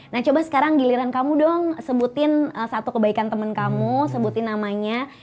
nah coba sekarang giliran kamu dong sebutin satu kebaikan temen kamu sebutin namanya